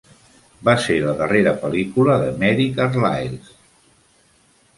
Va ser la darrera pel·lícula de Mary Carlisle.